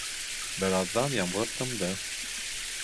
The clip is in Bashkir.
Бер аҙҙан ямгыр тымды.